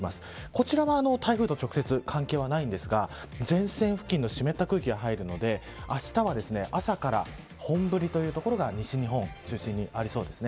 こちらは台風と直接関係ありませんが前線付近の湿った空気が入るのであしたは朝から本降りというのが西日本を中心にありそうです。